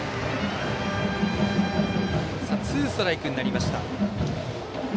ツーストライクになりました。